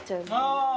ああ！